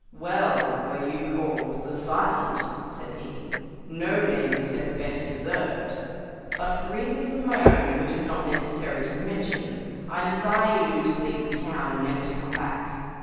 "Well were you called `the Silent,'" said he; "no name was ever better deserved. But for reasons of my own, which it is not necessary to mention, I desire you to leave the town, and never to come back."